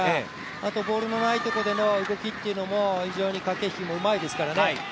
あとボールのないところでの動きというのも非常に駆け引きもうまいですからね。